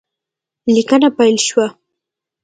لیکنه پیل شوه